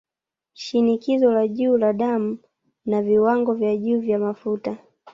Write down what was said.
Shinikizo la juu la damu na Viwango vya juu vya Mafuta